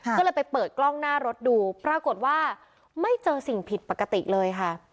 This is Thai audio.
ก็เลยไปเปิดกล้องหน้ารถดูปรากฏว่าไม่เจอสิ่งผิดปกติเลยค่ะ